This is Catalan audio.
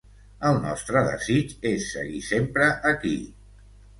El nostre desig és seguir sempre aquí.